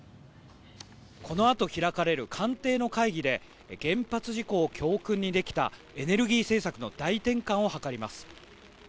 このあと開かれる官邸の会議で原発事故を教訓にできたエネルギー政策の大転換を図ります。